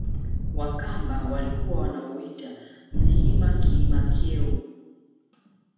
Wakamba walikuwa wanauita mlima kiima Kyeu